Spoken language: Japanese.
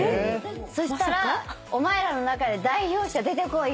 そしたら「お前らの中で代表者出てこいよ」